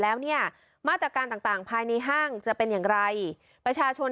แล้วเนี่ยมาตรการต่างต่างภายในห้างจะเป็นอย่างไรประชาชน